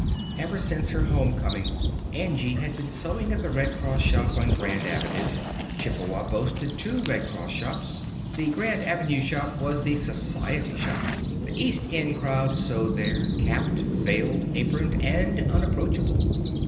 Ever since her home coming, Angie had been sewing at the Red Cross shop on Grand Avenue. Chippewa boasted two Red Cross shops. The Grand Avenue shop was the society shop. The East End crowd sewed there, capped, veiled, aproned and unapproachable.